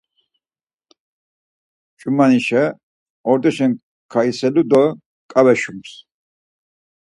ç̌umanişe ordoşen keiselu do ǩave şums.